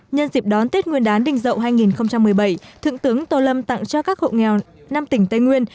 nhân dịp đón tết nguyên đán đình dậu hai nghìn một mươi bảy thượng tướng tô lâm tặng cho các hộ nghèo năm tỉnh tây nguyên